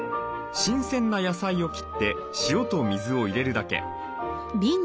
新鮮な野菜を切って塩と水を入れるだけ。